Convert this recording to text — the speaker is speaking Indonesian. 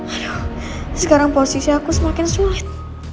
harah sekarang posisi aku semakin sulit